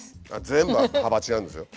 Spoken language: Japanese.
全部幅違うんですよ。